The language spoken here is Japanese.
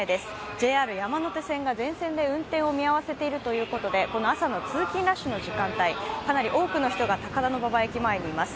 ＪＲ山手線が全線で運転を見合わせてるということでこの朝の通勤ラッシュの時間帯、多くの人が高田馬場駅前にいます。